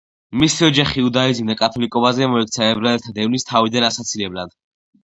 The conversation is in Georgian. მისი ოჯახი იუდაიზმიდან კათოლიკობაზე მოექცა ებრაელთა დევნის თავიდან ასაცილებლად.